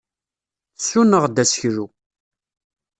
Tessuneɣ-d aseklu.